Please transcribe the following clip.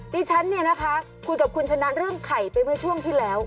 ดิฉันเนี่ยนะคะคุยกับคุณชนะเรื่องไข่ไปเมื่อช่วงที่แล้ว